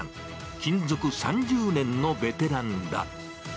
勤続３０年のベテランだ。